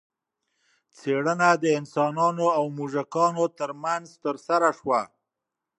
څېړنه د انسانانو او موږکانو ترمنځ ترسره شوه.